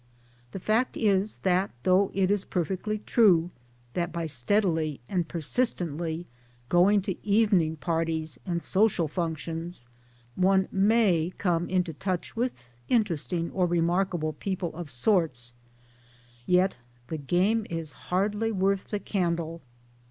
The fact is that though it is perfectly true that by steadily and per sistently going to evening parties and social functions one may come into touch with interesting or remark able people of sorts, yet the game is hardly worth the candle.